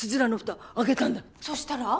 そしたら？